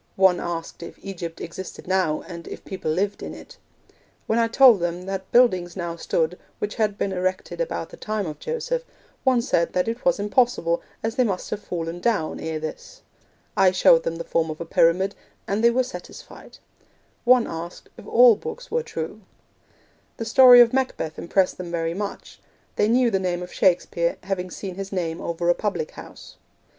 One asked if Egypt existed now, and if people lived in it. When I told them that buildings now stood which had been erected about the time of Joseph, one said that it was impossible, as they must have fallen down ere this. I showed them the form of a pyramid, and they were satisfied. One asked if all books were true. The story of Macbeth impressed them very much. They knew the name of Shakespeare, having seen his name over a public house.